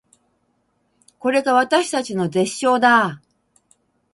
これが私たちの絶唱だー